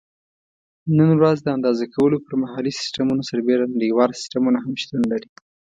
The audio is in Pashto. نن ورځ د اندازه کولو پر محلي سیسټمونو سربیره نړیوال سیسټمونه هم شتون لري.